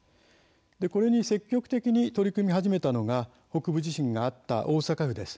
これに積極的に取り組み始めたのは北部地震があった大阪府です。